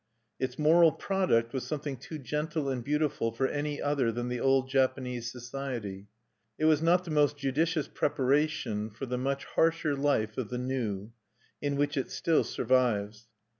Its moral product was something too gentle and beautiful for any other than the old Japanese society: it was not the most judicious preparation for the much harsher life of the new, in which it still survives.